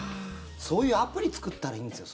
そういうアプリ作ったらいいんですよ。